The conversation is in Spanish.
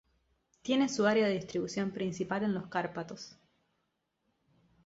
Tiene su área de distribución principal en los Cárpatos.